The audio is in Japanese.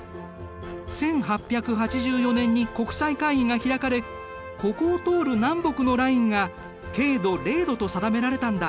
１８８４年に国際会議が開かれここを通る南北のラインが経度０度と定められたんだ。